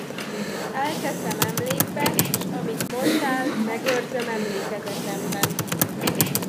Elteszem emlékbe, s amit mondtál, megőrzöm emlékezetemben.